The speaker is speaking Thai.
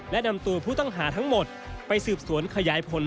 และนำตัวผู้ต้องหาทั้งหมดไปสืบสวนขยายผล